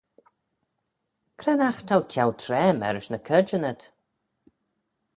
Cre'n aght t'ou ceau traa mârish ny caarjyn ayd?